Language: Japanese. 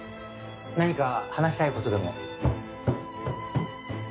何か話したい事でも？